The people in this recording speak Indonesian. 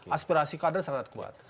aspirasi kader sangat kuat